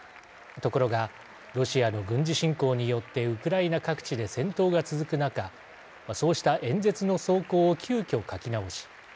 ところがロシアの軍事侵攻によってウクライナ各地で戦闘が続く中そうした演説の草稿を急きょ書き直し